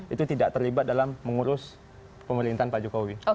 itu tidak terlibat dalam mengurus pemerintahan pak jokowi